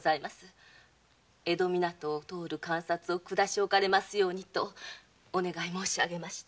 江戸湊を通る鑑札をくだしおかれますようにとお願い申しあげました。